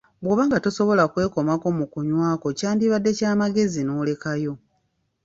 Bw'obanga tosobola kwekomako mu kunywakwo kyandibadde kya magezi n'olekayo.